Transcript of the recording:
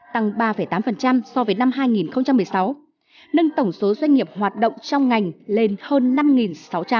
tăng ba tám so với năm hai nghìn một mươi sáu nâng tổng số doanh nghiệp hoạt động trong ngành lên hơn năm sáu trăm linh